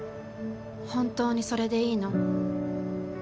本当にそれでいいの？